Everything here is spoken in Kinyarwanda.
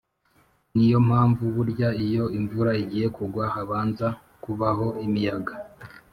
ni yo mpamvu burya iyo imvura igiye kugwa, habanza kubaho imiyaga.